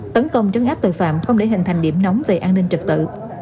tấn công trấn áp tội phạm không để hình thành điểm nóng về an ninh trật tự